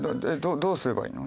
どうすればいいの？